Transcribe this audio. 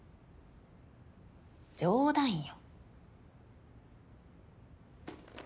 冗談よ。